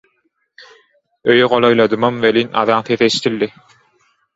Öýe golaýladymam welin, azan sesi eşdildi.